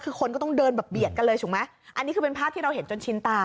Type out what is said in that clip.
คือคนก็ต้องเดินแบบเบียดกันเลยถูกไหมอันนี้คือเป็นภาพที่เราเห็นจนชินตา